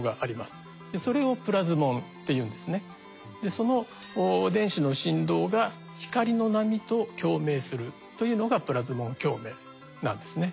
その電子の振動が光の波と共鳴するというのがプラズモン共鳴なんですね。